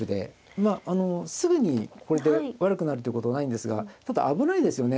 まあすぐにこれで悪くなるっていうことないんですがただ危ないですよね。